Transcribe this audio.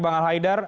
bang al haidar